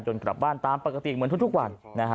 กลับบ้านตามปกติเหมือนทุกวัน